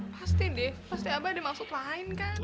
pasti deh pasti abah ada maksud lain kan